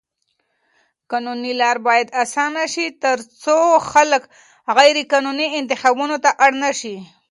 قانوني لارې بايد اسانه شي تر څو خلک غيرقانوني انتخابونو ته اړ نه شي.